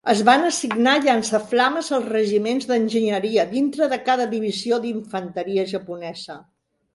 Es van assignar llançaflames als regiments d'enginyeria dintre de cada divisió d'infanteria japonesa.